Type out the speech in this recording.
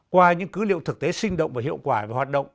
qua những cứ liệu thực tế sinh động và hiệu quả về hoạt động